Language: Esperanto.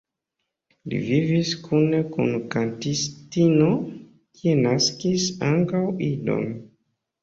Li vivis kune kun kantistino, kie naskis ankaŭ idon.